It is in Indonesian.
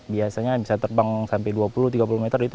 biasanya bisa terbang sampai dua puluh tiga puluh meter itu